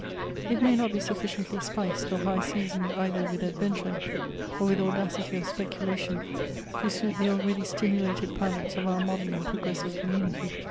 It may not be sufficiently spiced oc high seasoned either with adventxire, or with audacity of speculation to suit the already stimu lated palates of our modern and progressive commu nity.